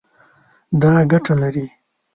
دا ګټه لري